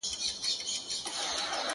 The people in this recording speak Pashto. لکه دوې وني چي وباسي ښاخونه -